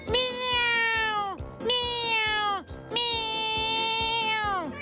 เมียวเมียวเมียว